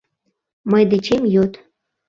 — Мый дечем йод.